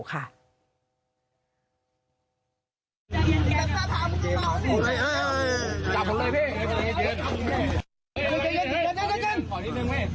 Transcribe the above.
กันเลยพี่